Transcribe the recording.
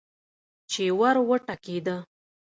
چې ور وټکېده.